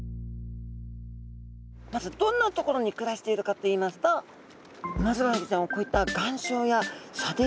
まずどんな所に暮らしているかといいますとウマヅラハギちゃんはこういった岩礁や砂泥底に暮らしてるんですね。